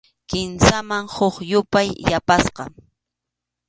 Kimsaman huk yupay yapasqa.